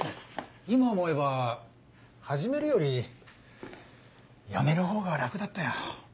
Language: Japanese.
今思えば始めるよりやめるほうが楽だったよ。